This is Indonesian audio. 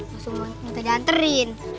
maksudnya minta dianterin